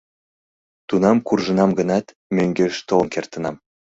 Тунам куржынам гынат, мӧҥгеш толын кертынам.